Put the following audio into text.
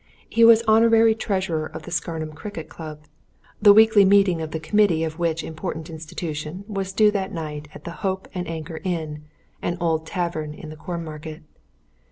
He was honourary treasurer of the Scarnham Cricket Club: the weekly meeting of the committee of which important institution was due that night at the Hope and Anchor Inn, an old tavern in the Cornmarket.